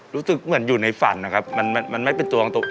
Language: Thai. รู้สึกเหมือนอยู่ในฝันนะครับมันไม่เป็นตัวของตัวเอง